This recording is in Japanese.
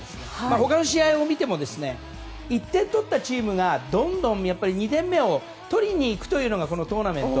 他の試合を見ても１点取ったチームがどんどん２点目を取りに行くのがこのトーナメント。